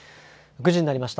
９時になりました。